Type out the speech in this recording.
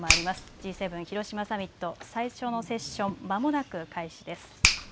Ｇ７広島サミット、最初のセッションまもなく開始です。